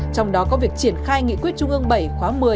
trong đó có việc triển khai nghị quyết trung ương bảy khóa một mươi